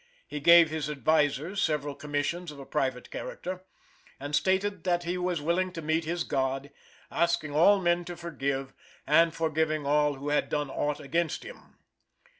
He gave his advisers several commissions of a private character, and stated that he was willing to meet his God, asking all men to forgive, and forgiving all who had done aught against him.